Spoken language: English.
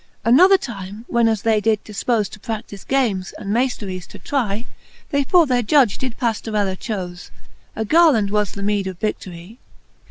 XLIII. Another time, when as they did difpofe To pradlife games, and maifleries to try. They for their judge did Paftorella chofe ; A garland was the meed of vidiory.